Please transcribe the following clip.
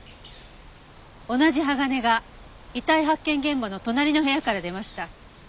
同じ鋼が遺体発見現場の隣の部屋から出ました。